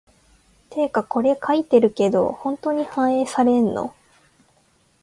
てかこれ書いてるけど、本当に反映されんの？